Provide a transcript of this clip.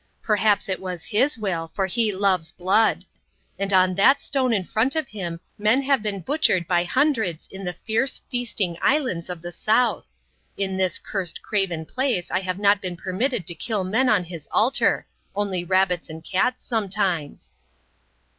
Perhaps it was his will, for he loves blood; and on that stone in front of him men have been butchered by hundreds in the fierce, feasting islands of the South. In this cursed, craven place I have not been permitted to kill men on his altar. Only rabbits and cats, sometimes."